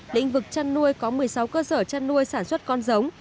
lĩnh vực chăn nuôi có một mươi sáu cơ sở chăn nuôi sản xuất con giống